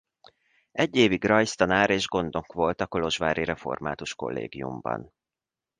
Egy évig rajztanár és gondnok volt a kolozsvári református kollégiumban.